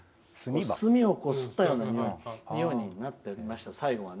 墨をすったようなにおいになっておりました最後は。